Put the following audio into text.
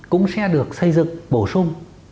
cũng sẽ được xây dựng bổ sung